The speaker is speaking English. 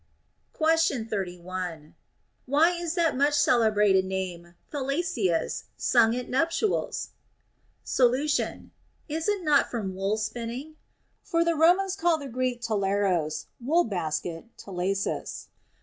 Question 31. Why is that so much celebrated name Thalassius sung at nuptials ? Solution. Is it not from wool spinning1? For the Ro mans call the Greek τάλαρος (wool basket) talasus.